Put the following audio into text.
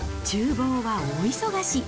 ちゅう房は大忙し。